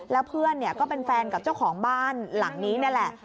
แล้วเพื่อนก็เป็นแฟนกับเจ้าของบ้านหลังนี้นี่แหละ